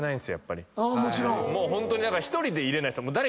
ホントに１人でいれないんです。